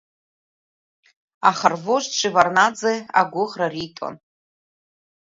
Аха рвожд Шеварднаӡе агәыӷра риҭон.